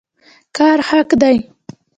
کار حق دی